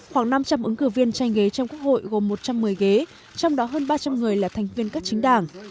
khoảng năm trăm linh ứng cử viên tranh ghế trong quốc hội gồm một trăm một mươi ghế trong đó hơn ba trăm linh người là thành viên các chính đảng